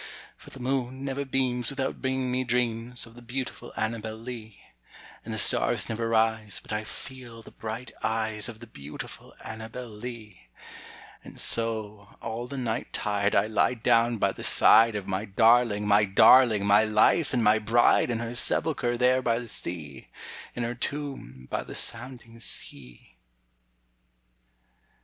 For the moon never beams without bringing me dreams Of the beautiful Annabel Lee, And the stars never rise but I feel the bright eyes Of the beautiful Annabel Lee. And so, all the night tide I lie down by the side Of my darling, my darling, my life, and my bride, In her sepulchre there by the sea, In her tomb by the sounding sea.